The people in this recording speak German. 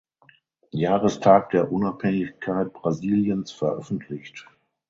Jahrestag der Unabhängigkeit Brasiliens veröffentlicht.